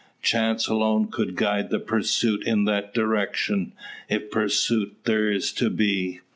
Chance alone could guide the pursuit in that direction, if pursuit there is to be.